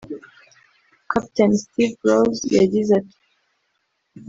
Captain Steve Rose yagize ati